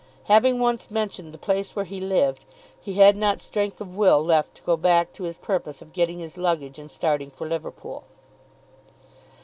Having once mentioned the place where he lived, he had not strength of will left to go back to his purpose of getting his luggage and starting for Liverpool.